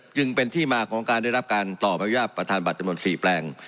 จึงเป็นที่มาของการได้รับการต่ออนุญาตประธานบัตรจำนวน๔แปลง